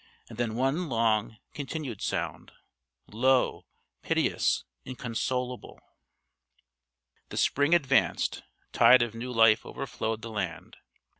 And then one long continued sound low, piteous, inconsolable. The spring advanced; tide of new life overflowed the land. Dr.